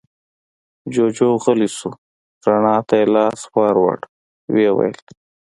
جوجُو غلی شو، رڼا ته يې لاس ور ووړ، ويې ويل: